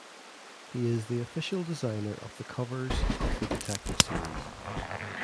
He is the official designer of the covers of the detective series.